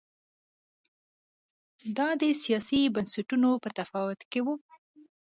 دا د سیاسي بنسټونو په تفاوت کې و